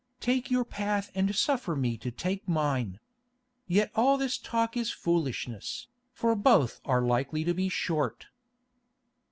Take your path and suffer me to take mine. Yet all this talk is foolishness, for both are likely to be short."